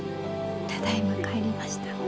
ただいま帰りました。